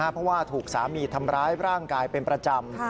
เพราะว่าถูกสามีทำร้ายร่างกายเป็นประจำ